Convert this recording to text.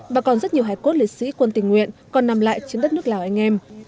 và còn rất nhiều hải cốt liệt sĩ quân tình nguyện còn nằm lại trên đất nước lào anh em